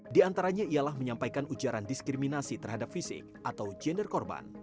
di antaranya ialah menyampaikan ujaran diskriminasi terhadap fisik atau gender korban